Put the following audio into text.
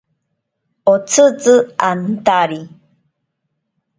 Otsitzi antari.